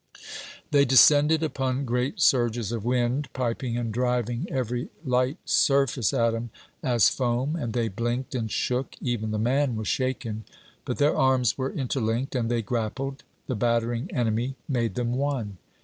They descended upon great surges of wind piping and driving every light surface atom as foam; and they blinked and shook; even the man was shaken. But their arms were interlinked and they grappled; the battering enemy made them one.